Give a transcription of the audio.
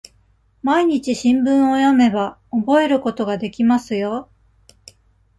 毎日、新聞を読めば、覚えることができますよ。